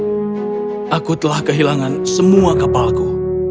aku telah kehilangan semua kapalku